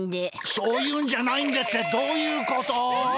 「そういうんじゃないんで」ってどういうこと？